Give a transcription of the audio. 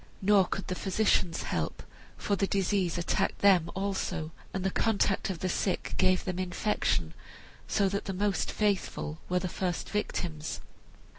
Nor could the physicians help, for the disease attacked them also, and the contact of the sick gave them infection, so that the most faithful were the first victims.